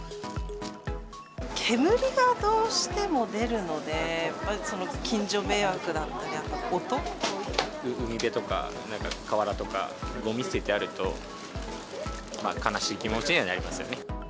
煙がどうしても出るので、やっぱり近所迷惑だったり、海辺とか、なんか河原とか、ごみ捨ててあると、悲しい気持ちにはなりますよ